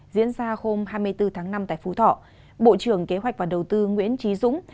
diễn ra hôm hai mươi bốn tháng năm tại phú thọ bộ trưởng kế hoạch và đầu tư nguyễn trí dũng